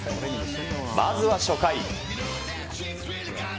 まずは初回。